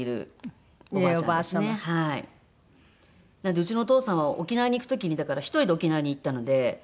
うちのお父さんは沖縄に行く時にだから１人で沖縄に行ったので。